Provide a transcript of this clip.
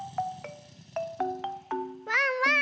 ワンワーン！